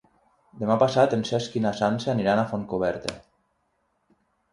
Demà passat en Cesc i na Sança aniran a Fontcoberta.